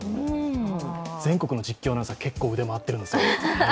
全国の実況アナウンサー、結構あるんですよ。